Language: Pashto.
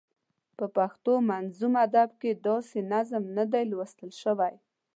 په پښتو منظوم ادب کې داسې نظم نه دی لوستل شوی.